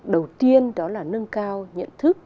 đầu tiên đó là nâng cao nhận thức